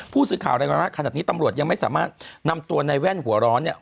ผู้สื่อข่าวรายงานว่าขนาดนี้ตำรวจยังไม่สามารถนำตัวในแว่นหัวร้อนเนี่ย